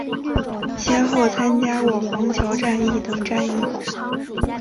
先后参加过黄桥战役等战役。